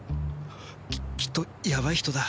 ききっとやばい人だ。